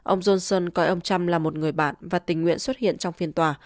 ông johnson coi ông trump là một người bạn và tình nguyện xuất hiện trong phiên tòa